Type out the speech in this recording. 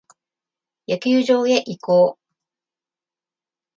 野球場へ移行。